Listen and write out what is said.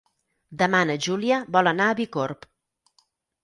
Demà na Júlia vol anar a Bicorb.